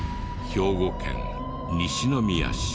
兵庫県西宮市。